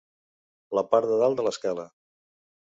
La part de dalt de l'escala.